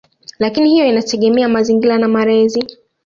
Lakini hiyo inategemea mazingira na malezi.